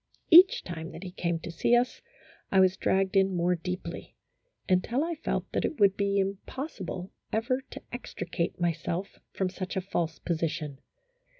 Each time that he came to see us, I was dragged in more deeply, until I felt that it would be impossible ever to extricate myself from such a false position.